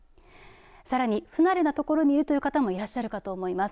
さらに不慣れなところにいるという方もいらっしゃるかと思います。